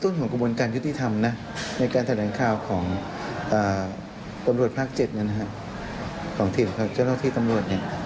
อย่างไรก็ตามนะครับหลังจากครูปริชาทำการสอนเสร็จแล้ว